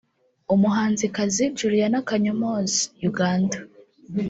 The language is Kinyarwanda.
umuhanzikazi Juliana Kanyomozi(Uganda)